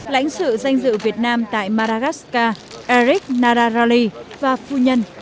lãnh sự danh dự việt nam tại madagascar eric nararali và phu nhân